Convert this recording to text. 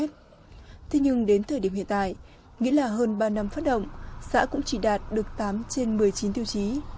thế nhưng đến thời điểm hiện tại nghĩa là hơn ba năm phát động xã cũng chỉ đạt được tám trên một mươi chín tiêu chí